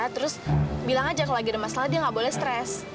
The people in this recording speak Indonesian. terus bilang aja kalau lagi ada masalah dia nggak boleh stres